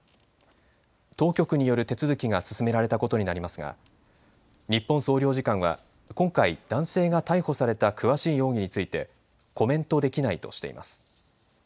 当局による手続きが進められたことになりますが日本総領事館は今回、男性が逮捕された詳しい容疑についてコメントできないとしています。